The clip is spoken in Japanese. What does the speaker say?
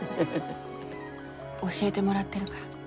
教えてもらってるから。